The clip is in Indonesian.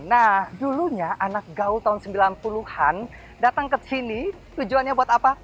nah dulunya anak gaul tahun sembilan puluh an datang ke sini tujuannya buat apa